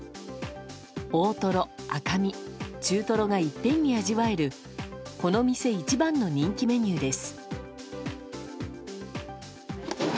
大トロ、赤身、中トロがいっぺんに味わえるこの店一番の人気メニューです。